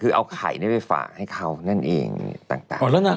คือเอาไข่ไปฝากให้เขานั่นเองต่าง